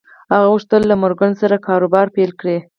هغه غوښتل له مورګان سره کاروبار پیل کړي